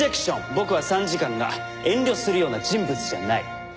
僕は参事官が遠慮するような人物じゃない。